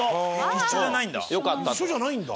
一緒じゃないんだ。